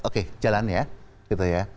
oke jalan ya